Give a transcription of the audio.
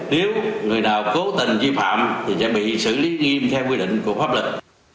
nếu người nào cố tình vi phạm thì sẽ bị xử lý nghiêm theo quy định của pháp lực